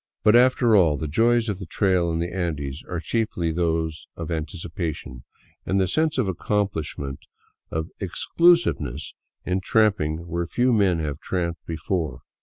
But, after all, the joys of the trail in the Andes are chiefly those of anticipation, and the sense of accompHsh ment, of exclusiveness in tramping where few men have tramped be fore.